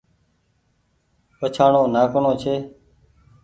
وڇآڻو ناڪڻو ڇي